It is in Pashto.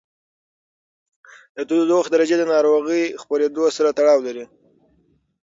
د تودوخې درجې د ناروغۍ خپرېدو سره تړاو لري.